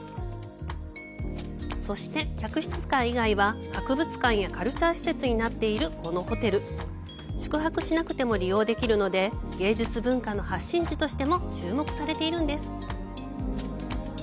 そして、客室階以外は博物館やカルチャー施設になっているこのホテル、宿泊しなくても利用できるので、芸術文化の発信地としても注目されているんです。